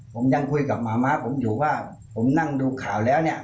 ผมยังคุยกับหมาม้าผมอยู่ว่าผมนั่งดูข่าวแล้วเนี่ย